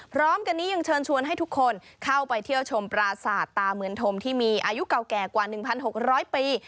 พร้อมกันนี้ยังเชิญชวนให้ทุกคนเข้าไปเที่ยวชมปราสาทตาเหมือนธมที่มีอายุเก่าแก่กว่า๑๖๐๐ปี